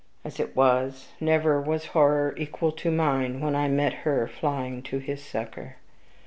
As it was, never was horror equal to mine when I met her flying to his succor.